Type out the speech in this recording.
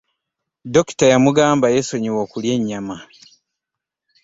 Dokita yamugamba yesonyiwe okulya ennyama.